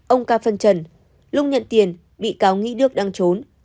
ông ca phân trần lúc nhận tiền bị cáo nghĩ đức đang trốn